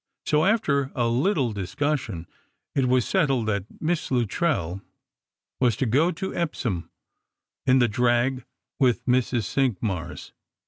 So, after a little discussion, it was settled that Miss Luttrell was to go to Epsom in the drag with Mrs. Cinqmars.